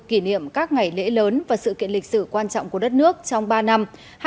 kỷ niệm các ngày lễ lớn và sự kiện lịch sử quan trọng của đất nước trong ba năm hai nghìn hai mươi ba hai nghìn hai mươi năm